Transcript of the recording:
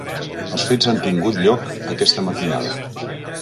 Els fets han tingut lloc aquesta matinada.